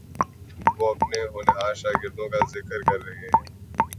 وہ اپنے ہونہار شاگردوں کا ذکر کر رہے تھے